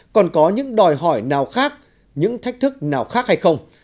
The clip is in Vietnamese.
còn có những đòi hỏi nào khác những thách thức nào khác hay không